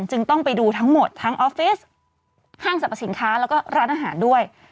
ต้องไปดูทั้งหมดทั้งออฟฟิศห้างสรรพสินค้าแล้วก็ร้านอาหารด้วย